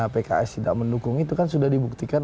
pks tidak mendukung itu kan sudah dibuktikan